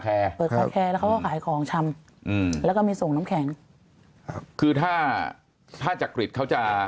เขาขายของทำแล้วก็มีส่งน้ำแข็งคือถ้าถ้าจักริตเขาจะ